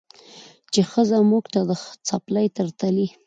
چې ښځه موږ ته د څپلۍ تر تلي